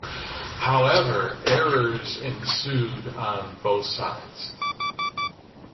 However, errors ensued on both sides.